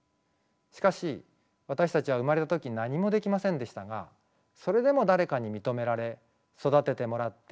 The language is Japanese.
しかし私たちは生まれた時何もできませんでしたがそれでも誰かに認められ育ててもらって今があります。